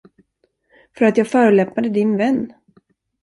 För att jag förolämpade din vän?